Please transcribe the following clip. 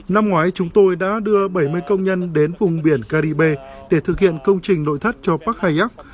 năm ngoái chúng tôi đã đưa bảy mươi công nhân đến vùng biển caribe để thực hiện công trình nội thất cho park hayak